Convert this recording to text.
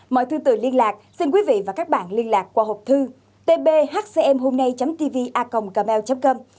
mọi thư từ liên lạc xin quý vị và các bạn liên lạc qua hộp thư tbhcmhômnay tvacomgmail com